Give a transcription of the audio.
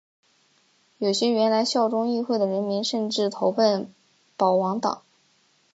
有些原来效忠议会的人民甚至投奔保王党。